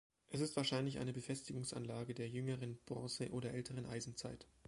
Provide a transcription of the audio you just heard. Es ist wahrscheinlich eine Befestigungsanlage der jüngeren Bronze- oder älteren Eisenzeit.